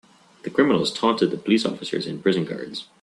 The criminals taunted the police officers and prison guards.